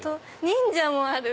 忍者もある！